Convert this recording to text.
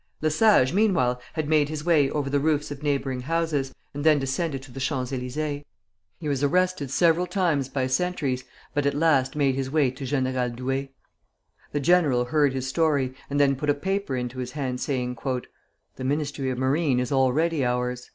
Le Sage meanwhile had made his way over the roofs of neighboring houses, and then descended to the Champs Élysées. He was arrested several times by sentries, but at last made his way to General Douai. The general heard his story, and then put a paper into his hand, saying, "The Ministry of Marine is already ours."